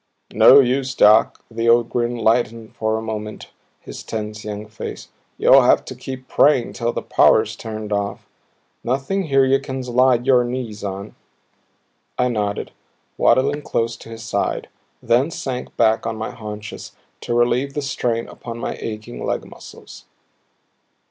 "No use, Doc." The old grin lightened for a moment his tense young face. "You'll have to keep praying till the power's turned off. Nothing here you can slide your knees on." I nodded, waddling close to his side; then sank back on my haunches to relieve the strain upon my aching leg muscles.